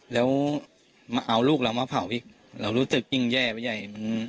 แล้วมาเอาลูกเรามาเผาอีกเรารู้สึกยิ่งแย่ไปใหญ่